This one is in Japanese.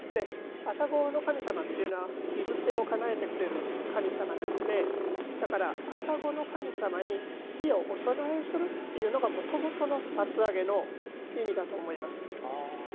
愛宕の神様っていうのは火伏せをかなえてくれる神様なので、愛宕の神様に火をお供えするっていうのがもともとの松上げの意味だと思います。